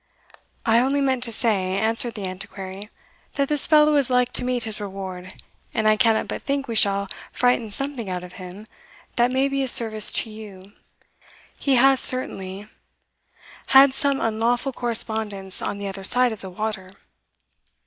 "I only meant to say," answered the Antiquary, "that this fellow is like to meet his reward; and I cannot but think we shall frighten something out of him that may be of service to you. He has certainly had some unlawful correspondence on the other side of the water."